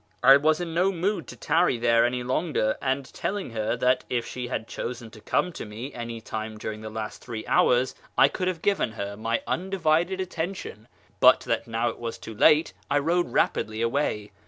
I was in no mood to tarry there any longer, and, telling her that if she had chosen to come to me any time during the last three hours I could have o FROM SHIRAz to YEZD 343 given her my undivided attention, but that now it was too late, I rode rapidly away.